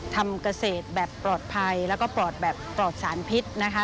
ทำเกษตรแบบปลอดภัยแล้วก็ปลอดแบบปลอดสารพิษนะคะ